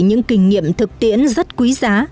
những kinh nghiệm thực tiễn rất quý giá